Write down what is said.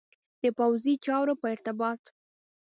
د پوځي چارو په ارتباط.